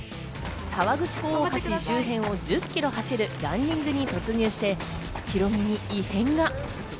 河口湖大橋周辺を１０キロ走るランニングに突入して、ヒロミに異変が。